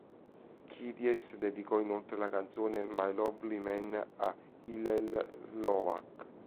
Kiedis dedicò inoltre la canzone "My Lovely Man" a Hillel Slovak.